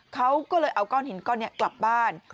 เขาก็เลยเอาก้อนหินก้อนนี้กลับบ้าน